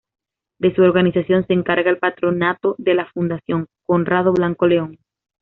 De su organización se encarga el Patronato de la Fundación Conrado Blanco León.